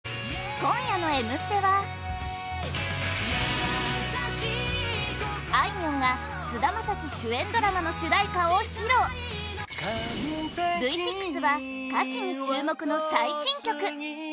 今夜の「Ｍステ」はあいみょんが菅田将暉主演ドラマの主題歌を披露Ｖ６は歌詞に注目の最新曲！